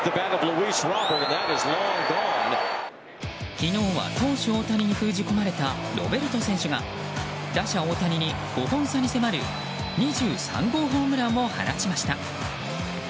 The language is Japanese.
昨日は投手・大谷に封じ込まれたロベルト選手が打者・大谷に５本差に迫る２３号ホームランを放ちました。